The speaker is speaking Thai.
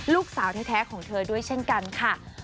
ลูกสาวแท้ของเธอด้วยเช่นกันค่ะ